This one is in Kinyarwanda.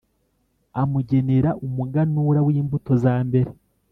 amugenera umuganura w’imbuto za mbere,